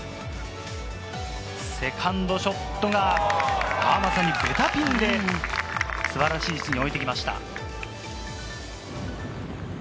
セカンドショットが、まさにベタピンで素晴らしい位置に置いてきました。